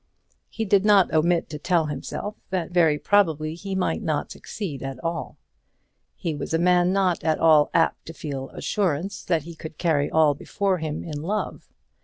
He did not omit to tell himself that very probably he might not succeed at all. He was a man not at all apt to feel assurance that he could carry all before him in love.